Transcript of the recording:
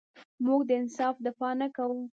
موږ د انصاف دفاع نه کوو.